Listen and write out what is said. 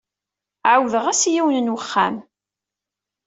Ɛawdeɣ-as i yiwen n wexxam.